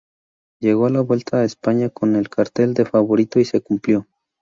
Llegó a la Vuelta a España con el cartel de favorito y se cumplió.